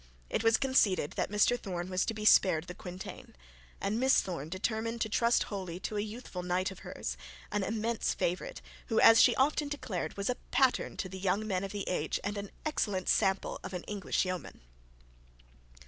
It was conceded that Mr Thorne was to spared the quintain; and Miss Thorne determined to trust wholly to a youthful knight of hers, an immense favourite, who, as she often declared, was a pattern to the young men of the age, and an excellent example of an English yeoman.